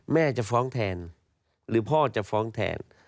แม่จะฟ้องแทนหรือพ่อจะฟ้องแทน